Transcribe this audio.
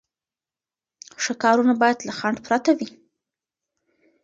ښه کارونه باید له خنډ پرته وي.